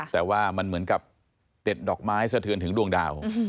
แต่ว่ามันเหมือนกับเด็ดดอกไม้สะเทือนถึงดวงดาว